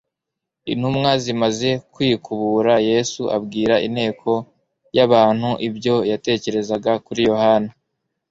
Intumwa zimaze kwikubura Yesu abwira inteko y'abantu ibyo yatekerezaga kuri Yohana.